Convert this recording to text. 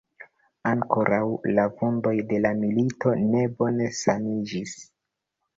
Ankoraŭ la vundoj de la milito ne bone saniĝis.